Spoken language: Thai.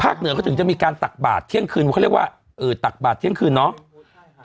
เหนือเขาถึงจะมีการตักบาทเที่ยงคืนเขาเรียกว่าเออตักบาทเที่ยงคืนเนาะ